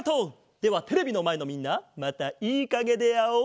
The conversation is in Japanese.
ではテレビのまえのみんなまたいいかげであおう。